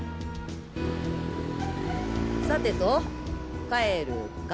さてと帰るか？